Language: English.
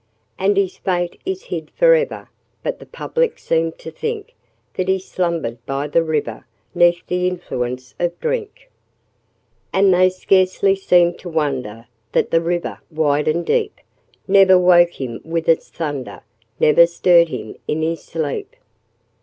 And his fate is hid for ever, But the public seem to think That he slumbered by the river, 'Neath the influence of drink. And they scarcely seem to wonder That the river, wide and deep, Never woke him with its thunder, Never stirred him in his sleep.